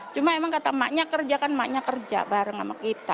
cuma emang kata emaknya kerja kan emaknya kerja bareng sama kita